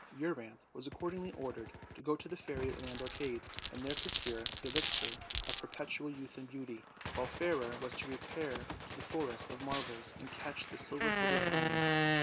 Euryanthe was accordingly ordered to go to the Fairy Land Arcade, and there procure the elixir of perpetual youth and beauty, while Fairer was to repair to the Forest of Marvels and catch the silver footed hind.